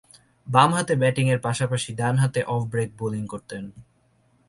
বামহাতে ব্যাটিংয়ের পাশাপাশি ডানহাতে অফ ব্রেক বোলিং করতেন।